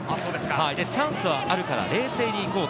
チャンスはあるから冷静に行こう。